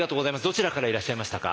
どちらからいらっしゃいましたか？